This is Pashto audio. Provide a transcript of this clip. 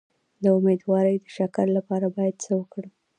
د امیدوارۍ د شکر لپاره باید څه وکړم؟